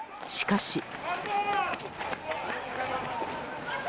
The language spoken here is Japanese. しかし。